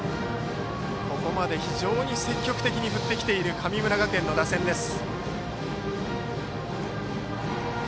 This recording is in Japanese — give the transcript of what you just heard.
ここまで非常に積極的に振ってきている神村学園の打線です。